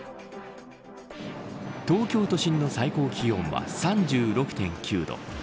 東京都心の最高気温は３６．９度。